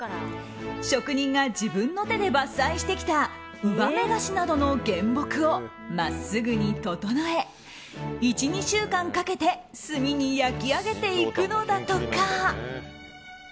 職人が自分の手で伐採してきたウバメガシなどの原木を真っすぐに整え１２週間かけて炭に焼き上げていくのだとか。